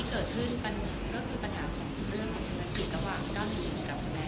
ก็คือปัญหาที่กลับเน้น